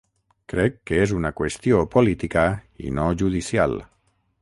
Crec que és una qüestió política i no judicial.